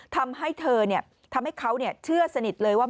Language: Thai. ทำให้เธอเขาเชื่อสนิทเลยว่า